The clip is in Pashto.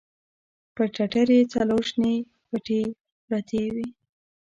پر ټټر يې څلور شنې پټې پرتې وې.